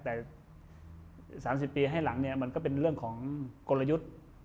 แต่๓๐ปีให้หลังเนี่ยมันก็เป็นเรื่องของกลยุทธ์